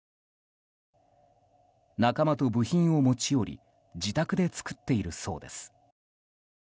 仲間と部品を持ち寄り自宅で作っているそうです。